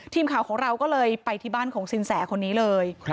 ทีมข่าวของเราก็เลยไปที่บ้านของสินแสคนนี้เลย